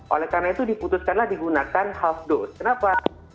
oleh karena itu diputuskanlah digunakan half dose kenapa